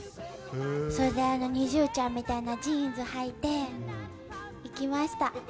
それでＮｉｚｉＵちゃんみたいなジーンズをはいて、行きました。